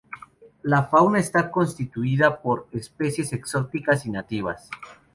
La fauna está constituida por especies exóticas y nativas.